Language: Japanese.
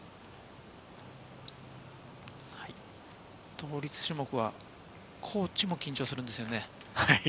倒立種目はコーチも緊張するんですよね。